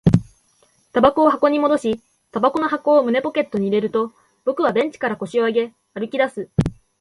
煙草を箱に戻し、煙草の箱を胸ポケットに入れると、僕はベンチから腰を上げ、歩き出す